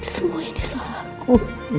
semua ini salah aku